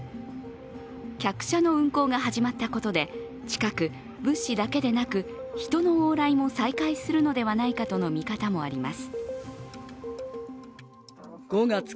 客車の運行が始まったことで近く、物資だけでなく人の往来も再開するのではないかとの見方もあります。